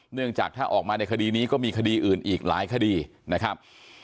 เนื่องจากถ้าออกมาในคดีนี้ก็มีคดีอื่นอีกหลายคดีนะครับ